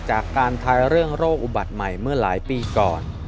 การทายเรื่องโรคอุบัติใหม่เมื่อหลายปีก่อน